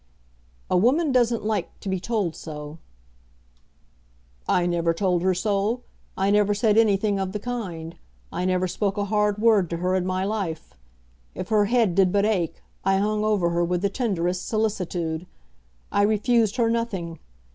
"A woman doesn't like to be told so." "I never told her so. I never said anything of the kind. I never spoke a hard word to her in my life. If her head did but ache, I hung over her with the tenderest solicitude. I refused her nothing.